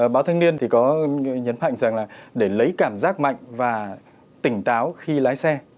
báo thanh niên thì có nhấn mạnh rằng là để lấy cảm giác mạnh và tỉnh táo khi lái xe